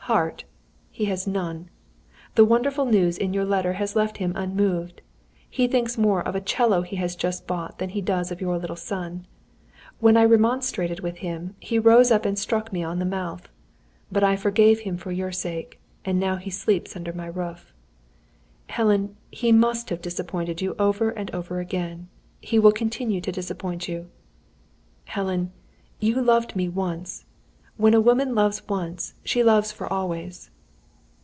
Heart he has none. The wonderful news in your letter has left him unmoved. He thinks more of a 'cello he has just bought than he does of your little son. When I remonstrated with him, he rose up and struck me on the mouth. But I forgave him for your sake, and he now sleeps under my roof. "Helen, he must have disappointed you over and over again. He will continue to disappoint you. "Helen, you loved me once; and when a woman loves once, she loves for always.